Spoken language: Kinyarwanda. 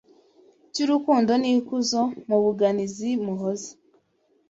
Cy’urukundo n’ikuzo Mubuganiza muhoza